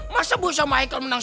masa bu sama michael menang